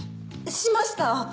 しました！